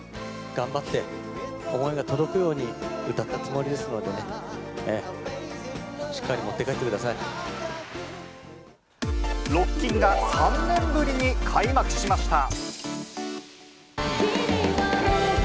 頑張って思いが届くように歌ったつもりですのでね、しっかりロッキンが３年ぶりに開幕しました。